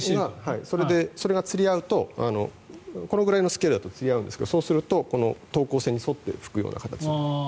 それがつり合うとこのぐらいのスケールだとつり合うんですがそうすると等高線に沿って吹くような形になります。